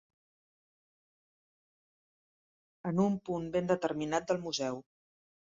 En un punt ben determinat del museu.